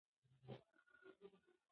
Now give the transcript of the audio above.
ایا ټول ماشومان زده کړه ترلاسه کوي؟